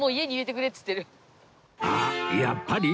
あっやっぱり？